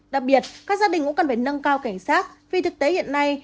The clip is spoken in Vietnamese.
đặc biệt các gia đình cũng cần phải nâng cao cảnh sát vì thực tế hiện nay